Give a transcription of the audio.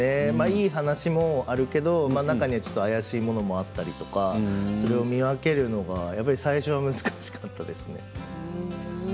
いい話もあるけど中には怪しいものもあったりそれを見分けるのがやっぱり最初は難しかったですね。